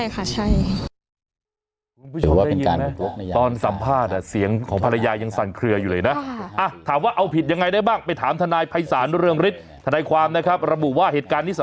คือคือยังว่าจะดำเนินคดีถึงที่สุดค่ะ